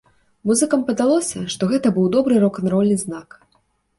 Музыкам падалося, што гэта быў добры рок-н-рольны знак!